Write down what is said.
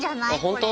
ほんと？